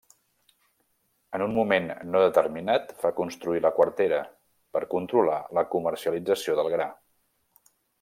En un moment no determinat fa construir la quartera, per controlar la comercialització del gra.